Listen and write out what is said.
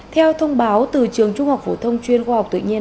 theo thông báo từ trường trung học phổ thông chuyên khoa học tự nhiên